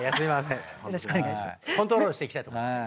コントロールしたいと思います。